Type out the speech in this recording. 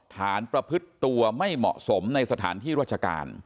ประพฤติตัวไม่เหมาะสมในสถานที่ราชการ